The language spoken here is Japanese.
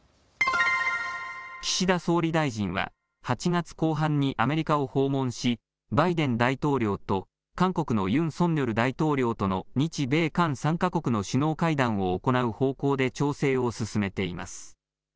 岸田総理大臣は８月後半にアメリカを訪問しバイデン大統領と韓国のユン・ソンニョル大統領との日米韓３か国の首脳会談を行う方向で調整を進めています。